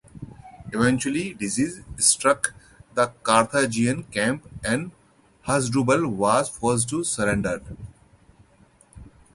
Eventually disease struck the Carthaginian camp and Hasdrubal was forced to surrender.